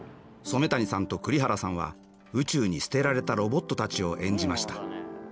染谷さんと栗原さんは宇宙に捨てられたロボットたちを演じました。